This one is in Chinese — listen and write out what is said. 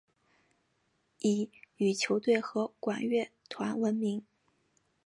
以羽球队和管乐团闻名。